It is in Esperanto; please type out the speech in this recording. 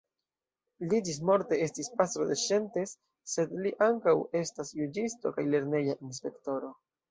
Li ĝismorte estis pastro de Szentes, sed li ankaŭ estis juĝisto, kaj lerneja inspektoro.